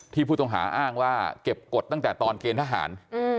ผู้ต้องหาอ้างว่าเก็บกฎตั้งแต่ตอนเกณฑ์ทหาร